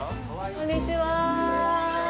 こんにちは。